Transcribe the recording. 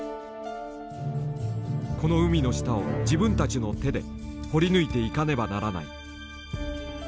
この海の下を自分たちの手で掘り抜いていかねばならない。